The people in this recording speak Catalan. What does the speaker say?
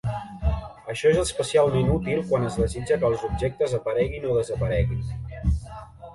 Això és especialment útil quan es desitja que els objectes apareguin o desapareguin.